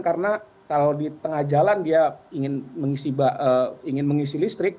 karena kalau di tengah jalan dia ingin mengisi listrik